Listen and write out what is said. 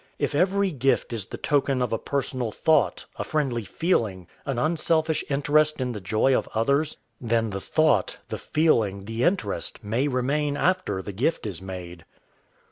If every gift is the token of a personal thought, a friendly feeling, an unselfish interest in the joy of others, then the thought, the feeling, the interest, may remain after the gift is made.